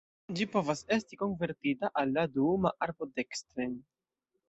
Ĝi povas esti konvertita al la duuma arbo dekstren.